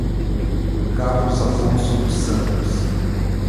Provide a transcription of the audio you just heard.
Carlos Afonso dos Santos